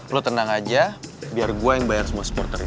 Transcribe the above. lo tenang aja biar gue yang bayar semua supporternya